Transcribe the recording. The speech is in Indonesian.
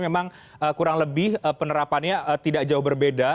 memang kurang lebih penerapannya tidak jauh berbeda